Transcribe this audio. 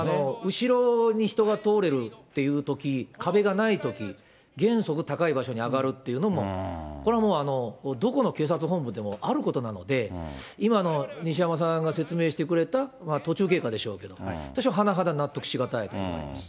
後ろに人が通れるというとき、壁がないとき、原則高い場所に上がるっていうのも、これはもうどこの警察本部でもあることなので、今の西山さんが説明してくれた途中経過でしょうけど、私は甚だ納得し難いと思います。